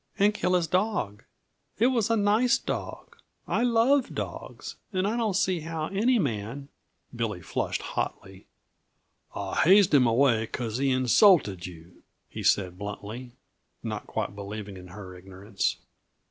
And kill his dog? It was a nice dog; I love dogs, and I don't see how any man " Billy flushed hotly. "I hazed him away because he insulted you," he said bluntly, not quite believing in her ignorance.